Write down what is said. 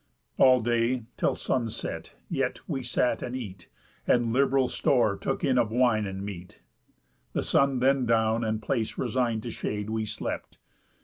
All day, till sun set, yet, we sat and eat, And lib'ral store took in of wine and meat. The sun then down, and place resign'd to shade, We slept.